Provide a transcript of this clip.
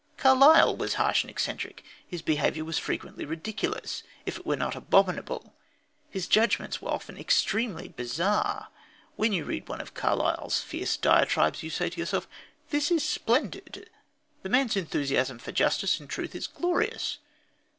Carlyle was harsh and eccentric. His behaviour was frequently ridiculous, if it were not abominable. His judgments were often extremely bizarre. When you read one of Carlyle's fierce diatribes, you say to yourself: "This is splendid. The man's enthusiasm for justice and truth is glorious."